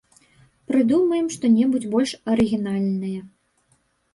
Прыдумаем што-небудзь больш арыгінальнае.